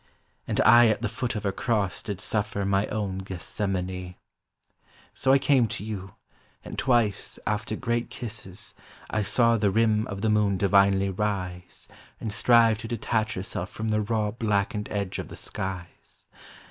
And I at the foot of her cross did suffer My own gethsemane. So I came to you, And twice, after great kisses, I saw The rim of the moon divinely rise And strive to detach herself from the raw Blackened edge of the skies.